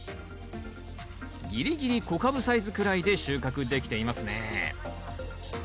ぎりぎり小カブサイズくらいで収穫できていますね。